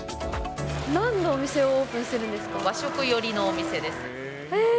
なんのお店をオープンするん和食寄りのお店です。